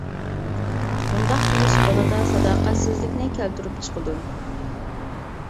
مۇنداق قىلىش بالىدا ساداقەتسىزلىكنى كەلتۈرۈپ چىقىدۇ.